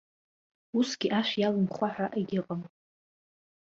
Усгьы ашә иалимхуа ҳәа егьыҟам.